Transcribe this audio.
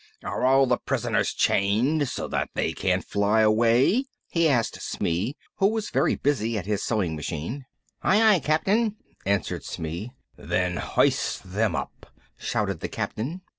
"Are all the prisoners chained so that they can't fly away?" he asked Smee, who was very busy at his sewing machine. "Aye, aye, Captain," answered Smee. "Then hoist them up," shouted the Captain.